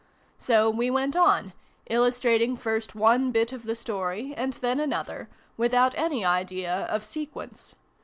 So we went on, illustrating first one bit of the story, and then another, without any idea of sequence.